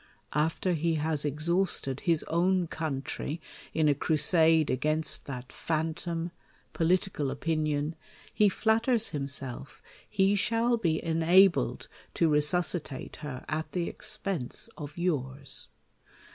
After he has exhausted his own coimtry in a crusade against that phantom, political o{)inion, he flatters him self he shall be enabled to resuscitate her at the ex pense of yours.